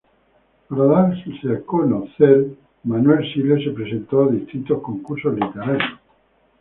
Para darse a conocer Manuel Siles se presentó a distintos concursos literarios.